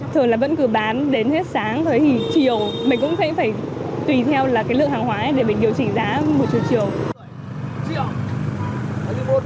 thường là vẫn cứ bán đến hết sáng rồi thì chiều mình cũng sẽ phải tùy theo là cái lượng hàng hóa ấy để mình điều chỉnh giá một chút chiều